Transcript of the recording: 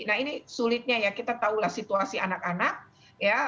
nah ini sulitnya ya kita tahulah situasi anak anak ya